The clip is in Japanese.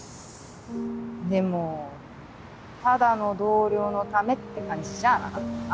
でもただの同僚のためって感じじゃなかったな。